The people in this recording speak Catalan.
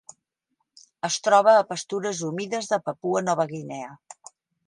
Es troba a pastures humides de Papua Nova Guinea.